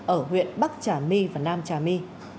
ở huyện bắc trà my và nam trà my